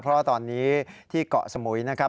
เพราะว่าตอนนี้ที่เกาะสมุยนะครับ